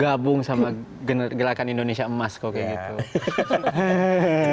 gabung sama gerakan indonesia emas kok kayak gitu